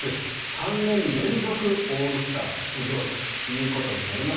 ３年連続オールスター出場ということになります。